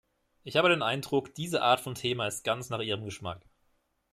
Ich habe den Eindruck, diese Art von Thema ist ganz nach ihrem Geschmack.